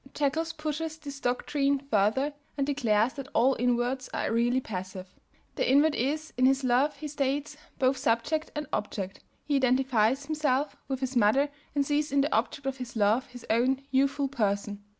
2.) Jekels pushes this doctrine further and declares that all inverts are really passive; the invert is, in his love, he states, both subject and object; he identifies himself with his mother and sees in the object of his love his own youthful person.